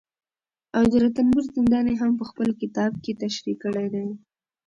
او د رنتبور زندان يې هم په خپل کتابکې تشريح کړى دي